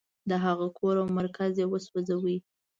د هغه کور او مرکز یې وسوځاوه.